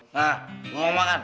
nah mau gak makan